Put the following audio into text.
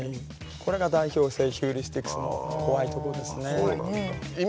これが代表性ヒューリスティックの怖いところですね。